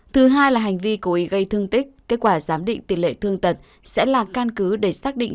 thứ hai là hành vi cố ý gây thương tích kết quả giám định tỷ lệ thương tật sẽ là căn cứ để xác định